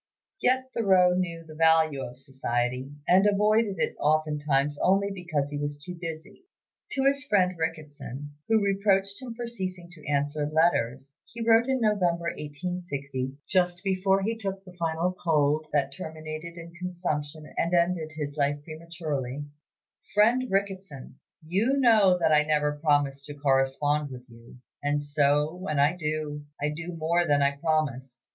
Yet Thoreau knew the value of society, and avoided it oftentimes only because he was too busy. To his friend Ricketson, who reproached him for ceasing to answer letters, he wrote in November, 1860, just before he took the fatal cold that terminated in consumption and ended his life prematurely: "FRIEND RICKETSON, You know that I never promised to correspond with you, and so, when I do, I do more than I promised.